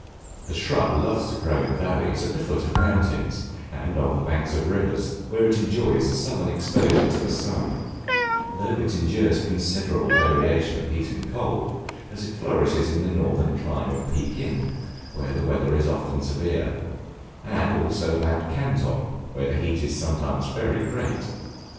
The shrub loves to grow in valleys, at the foot of mountains, and on the banks of rivers where it enjoys a southern exposure to the sun; though it endures considerable variation of heat and cold, as it flourishes in the northern clime of Pekin, where the winter is often severe; and also about Canton, where the heat is sometimes very great.